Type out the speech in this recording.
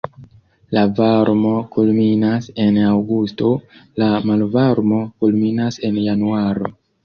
La varmo kulminas en aŭgusto, la malvarmo kulminas en januaro.